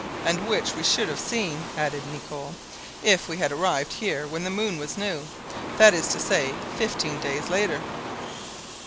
"And which we should have seen," added Nicholl, "if we had arrived here when the moon was new, that is to say fifteen days later."